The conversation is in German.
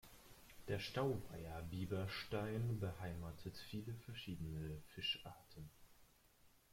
Der Stauweiher Bieberstein beheimatet viele verschiedene Fischarten.